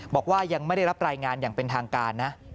บอกว่ายังไม่ได้รับรายงานอย่างเป็นทางการนะ